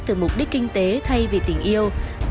từ mục đích kinh tế thay vì tình yêu